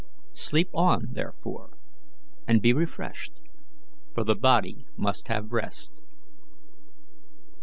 Sleep on, therefore, and be refreshed, for the body must have rest."